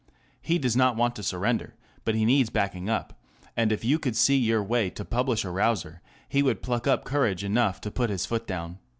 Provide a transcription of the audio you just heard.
" He does not want to surrender, but he needs backing up, and if you could see your way to publish a rouser, he would pluck up courage enough to put his foot down."